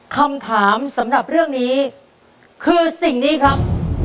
คำถามสำหรับเรื่องนี้คือสิ่งนี้ครับ